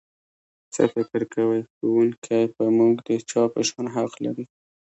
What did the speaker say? څه فکر کوئ ښوونکی په موږ د چا په شان حق لري؟